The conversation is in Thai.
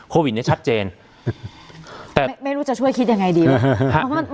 โควิดเนี้ยชัดเจนแต่ไม่รู้จะช่วยคิดยังไงดีวะครับ